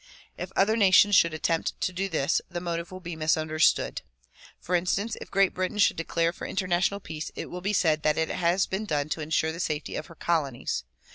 If other nations should attempt to do this the motive will be misunderstood. For instance, if Great Britain should declare for international peace it will be said that it has been done to insure the safety of her colonies.